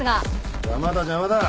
邪魔だ邪魔だ。